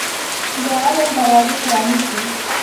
د علم دروازي پرانيزۍ